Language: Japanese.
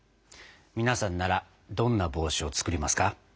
皆さんならどんな帽子を作りますか？